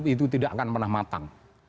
itu tidak akan pernah matang